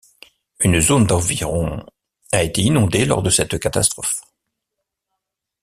Une zone d'environ a été inondée lors de cette catastrophe.